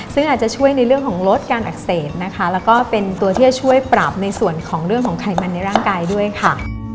ซึ่งอาจจะช่วยในเรื่องของลดการอักเสบนะคะแล้วก็เป็นตัวที่จะช่วยปรับในส่วนของเรื่องของไขมันในร่างกายด้วยค่ะ